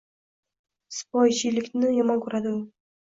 Sipoyichilikni yomon ko‘radi u